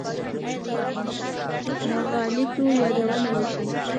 د عواملو او مغالطو یادونه وشي.